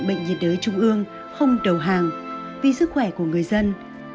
bệnh nhiệt đới trung ương không đầu hàng vì sức khỏe của người dân